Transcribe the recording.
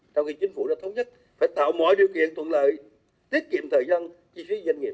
sau khi chính phủ đã thống nhất phải tạo mọi điều kiện thuận lợi tiết kiệm thời gian chi phí doanh nghiệp